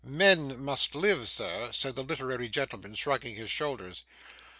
'Men must live, sir,' said the literary gentleman, shrugging his shoulders.